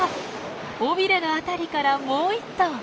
尾びれの辺りからもう１頭。